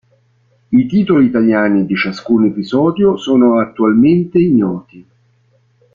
I titoli italiani di ciascun episodio sono attualmente ignoti.